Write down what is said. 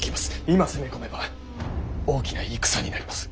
今攻め込めば大きな戦になります。